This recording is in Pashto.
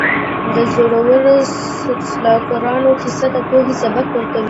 د زړورو سلاکارانو کیسه د پوهې سبق ورکوي.